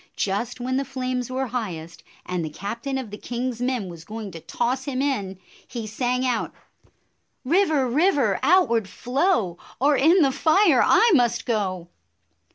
Just when the flames were highest, and the cap tain of the king's men was going to toss him in, he sang out, 97 " River, River, outward flow, Or in the fire I must go